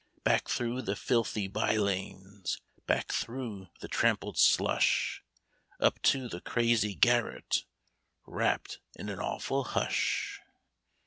" Back, through the filthy by lanes ! Back, through the trampled slush ! Up to the crazy garret. Wrapped in an awful hush.